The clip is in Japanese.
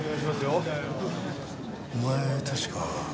お前確か。